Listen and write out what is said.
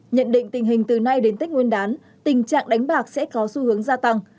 nhận định tình hình từ nay đến tết nguyên đán tình trạng đánh bạc sẽ có xu hướng gia tăng